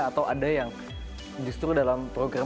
atau ada yang justru dalam program